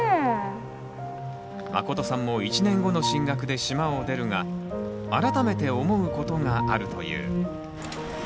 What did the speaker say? まことさんも１年後の進学で島を出るが改めて思うことがあるという。